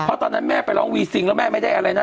เพราะตอนนั้นแม่ไปร้องวีซิงแล้วแม่ไม่ได้อะไรนะ